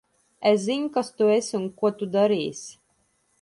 Es zinu, kas tu esi un ko tu darīsi.